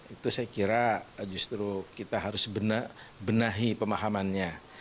itu saya kira justru kita harus benahi pemahamannya